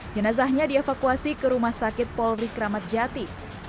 jenazahnya dievakuasi ke rumah sakit polri kramatjati